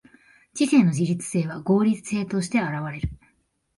知性の自律性は合理性として現われる。